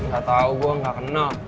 gak tau gua gak kenal